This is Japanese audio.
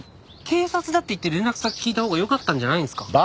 警察だって言って連絡先聞いたほうがよかったんじゃないんすか？